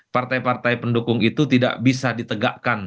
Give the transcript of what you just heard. partai partai pendukung itu tidak bisa ditegakkan